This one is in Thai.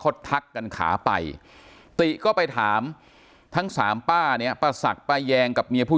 เขาทักกันขาไปก็ไปถามทั้ง๓ป้าป้าสักป้าแยงกับเมียผู้